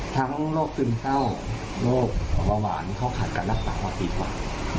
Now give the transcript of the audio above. ทั้งโรคซึมเศร้าโรคเบาหวานเขาขาดการรักษากว่าปีกว่า